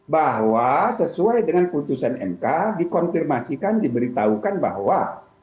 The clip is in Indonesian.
bahwa sesuai dengan putusan mk dikonfirmasikan diberitahukan bahwa